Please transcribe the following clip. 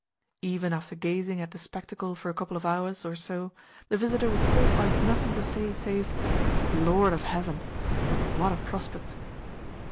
Even after gazing at the spectacle for a couple of hours or so, the visitor would still find nothing to say, save: "Lord of Heaven, but what a prospect!"